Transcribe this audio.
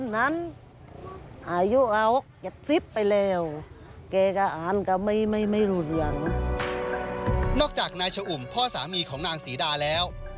นอกจากนายชะอุ่มพ่อสามีของนางศรีดาแล้ว